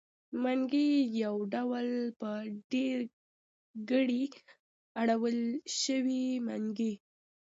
منګی يو ډول په ډېرګړي اړولی شو؛ منګي.